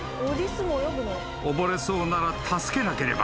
［溺れそうなら助けなければ］